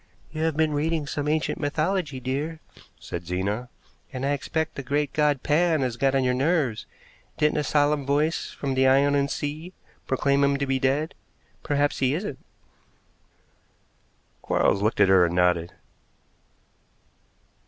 "You have been reading some ancient mythology, dear," said Zena, "and I expect the great god Pan has got on your nerves. Didn't a solemn voice from the Ionian Sea proclaim him to be dead? Perhaps he isn't." Quarles looked at her and nodded.